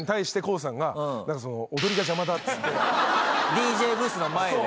ＤＪブースの前で。